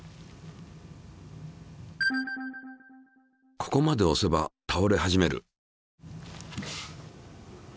ここまでおせばたおれ始める。